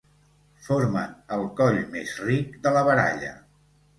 Formen el coll més ric de la baralla.